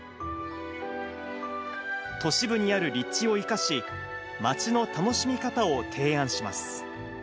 都市部にある立地を生かし、街の楽しみ方を提案します。